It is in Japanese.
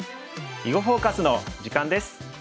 「囲碁フォーカス」の時間です。